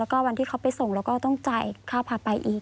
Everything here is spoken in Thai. แล้วก็วันที่เขาไปส่งเราก็ต้องจ่ายค่าพาไปอีก